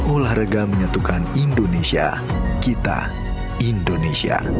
olahraga menyatukan indonesia kita indonesia